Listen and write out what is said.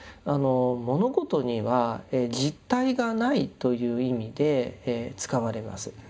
「物事には実体がない」という意味で使われます。